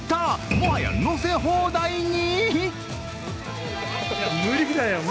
もはや乗せ放題に！